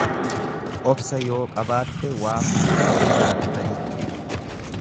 Obsa yoo qabaatte waa hunda ni baratta jechuudha.